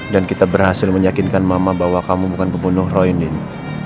dan kita berhasil menyakinkan mama bahwa kamu bukan pembunuh roy nindy